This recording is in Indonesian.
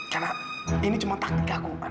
karena ini cuma taktik aku